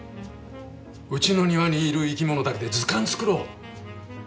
うちの庭にいる生き物だけで図鑑作ろう。